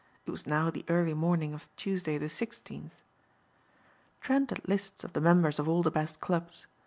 It was now the early morning of Tuesday the sixteenth. Trent had lists of the members of all the best clubs.